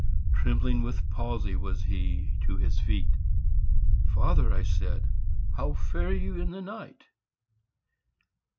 Trembling with palsy was he to his feet. "Father," I said, "how fare you in the night?"